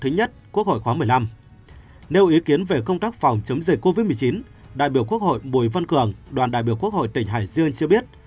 thứ nhất về công tác phòng chống dịch covid một mươi chín đại biểu quốc hội bùi văn cường đoàn đại biểu quốc hội tỉnh hải dương cho biết